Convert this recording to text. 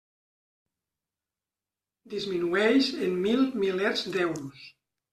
Disminueix en mil milers d'euros.